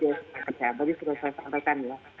ya bagi peserta mereka